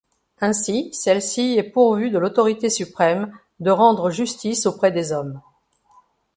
Ainsi, celle-ci est pourvue de l'autorité suprême de rendre justice auprès des hommes.